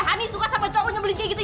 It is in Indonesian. hani suka sama cowok nyebelin kayak gitu